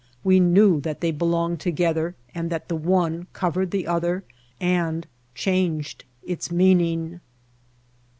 We knew that they belonged together and that one covered the other and changed its meaning.